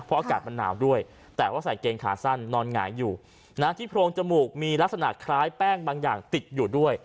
เพราะอากาศมันหนาวด้วยแต่ว่าใส่เกงขาสั้นนอนหงายอยู่ที่โพรงจมูกมีลักษณะคล้ายแป้งบางอย่างติดอยู่ด้วย